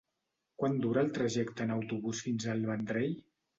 Quant dura el trajecte en autobús fins al Vendrell?